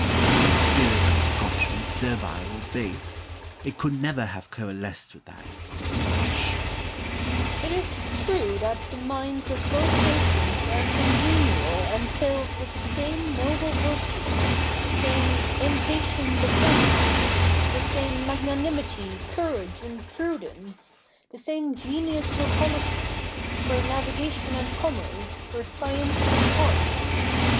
Had the spirit of the Scotch been servile or base, it could never have coalesced with that of the English. Douglas. It is true that the minds of both nations are congenial and filled with the same noble virtues, the same impatience of servitude, the same magnanimity, courage, and prudence, the same genius for policy, for navigation and commerce, for sciences and arts.